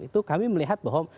itu kami melihat bahwa